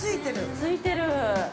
◆ついてる。